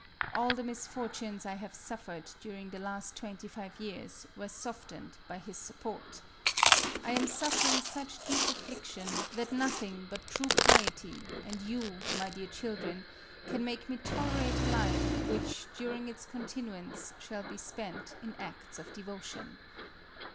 All the misfortunes I have suffered during the last twenty five years were softened by his MARIA THERESA. 211 support I am suffering such deep affliction, that nothing but true piety and you, ray dear children, can make me tolerate a life which, during its continuance, shall be spent in acts of devotion."